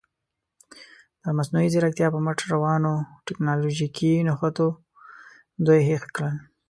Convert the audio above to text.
د مصنوعي زیرکتیا په مټ روانو تکنالوژیکي نښتو دوی هېښ کړل.